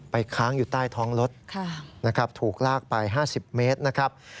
ค้างอยู่ใต้ท้องรถนะครับถูกลากไป๕๐เมตรนะครับ